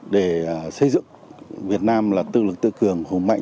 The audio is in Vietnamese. để xây dựng việt nam là tự lực tự cường hùng mạnh